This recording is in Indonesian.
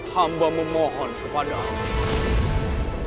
hamba memohon kepada aku